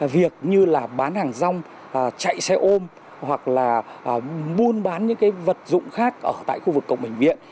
bán hàng rong chạy xe ôm hoặc là buôn bán những vật dụng khác ở tại khu vực cổng bệnh viện